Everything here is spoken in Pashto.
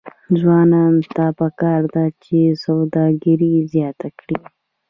ځوانانو ته پکار ده چې، سوداګري زیاته کړي.